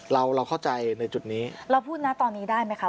เราเราเข้าใจในจุดนี้เราพูดนะตอนนี้ได้ไหมคะ